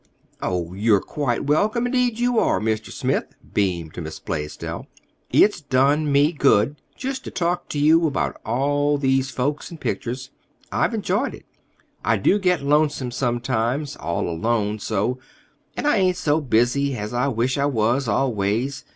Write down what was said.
"Oh, you're quite welcome, indeed you are, Mr. Smith," beamed Miss Blaisdell. "It's done me good, just to talk to you about all these folks and pictures. I we enjoyed it. I do get lonesome sometimes, all alone, so! and I ain't so busy as I wish I was, always.